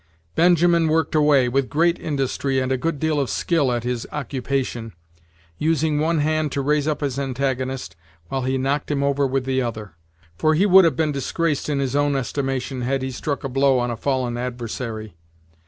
Benjamin worked away, with great industry and a good deal of skill, at his occupation, using one hand to raise up his antagonist, while he knocked him over with the other; for he would have been disgraced in his own estimation, had he struck a blow on a fallen adversary.